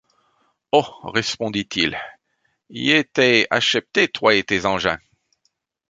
Oh! respondit-il, ie t’ay acheptée, toi et tes engins.